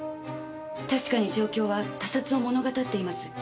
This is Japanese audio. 確かに状況は他殺を物語っています。